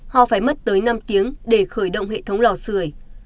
họ phải mất tới năm tiếng để khởi động hệ thống lò sửa